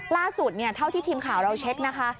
ล่าสุดเท่าที่ทีมข่าวเราเช็คนะคะ